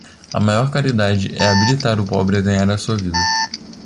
A maior caridade é habilitar o pobre a ganhar a sua vida.